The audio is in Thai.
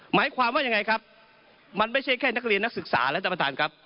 หมายความว่ายังไงครับมันไม่ใช่แค่นักเรียนนักศึกษาแล้วท่านประธานครับ